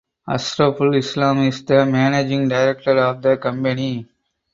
Ashraful islam is the managing director of the company.